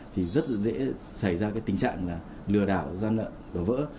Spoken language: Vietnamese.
thì rất dễ xảy ra tình trạng lừa đảo gian lợi đổ vỡ